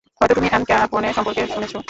হয়তো তুমি Al Capone সম্পর্কে শুনেছ?